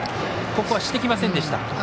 ここはしてきませんでした。